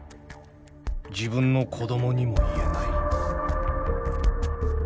「自分の子どもにも言えない」。